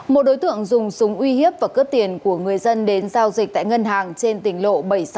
một đối tượng dùng súng uy hiếp và cướp tiền của người dân đến giao dịch tại ngân hàng trên tỉnh lộ bảy trăm sáu mươi